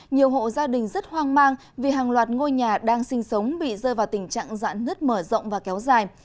nhiều hộ gia đình rất hoang mang vì hàng loạt ngôi nhà đang sinh sống bị rơi vào tình trạng giận nứt mở rộng và kéo dài